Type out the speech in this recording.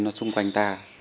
nó xung quanh ta